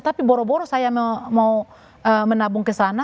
tapi boro boro saya mau menabung kesana